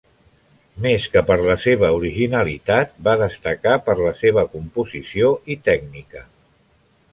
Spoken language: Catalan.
Més que per la seva originalitat, va destacar per la seva composició i tècnica.